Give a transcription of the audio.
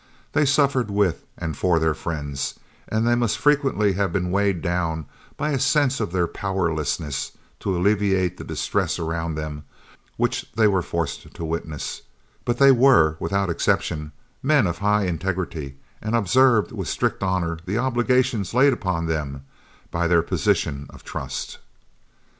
They suffered with and for their friends, and they must frequently have been weighed down by a sense of their powerlessness to alleviate the distress around them, which they were forced to witness; but they were, without exception, men of high integrity, and observed with strict honour the obligations laid upon them by their position of trust.